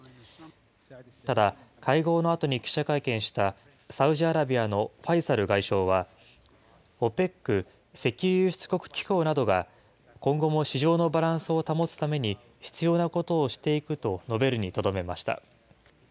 ただ、会合のあとに記者会見したサウジアラビアのファイサル外相は、ＯＰＥＣ・石油輸出国機構などが今後も市場のバランスを保つために必要なことをしていくと述べるにとどめました。